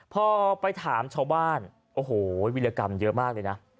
พอไปถามชาวบ้านโอ้โหวิรกรรมเยอะมากเลยนะ